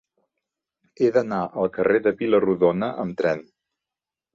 He d'anar al carrer de Vila-rodona amb tren.